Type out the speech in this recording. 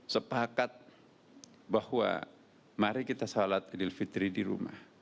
sepakat bahwa mari kita salat idil fitri di rumah